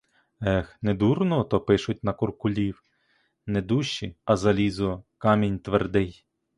Ех, недурно ото пишуть на куркулів — не душі, а залізо, камінь твердий.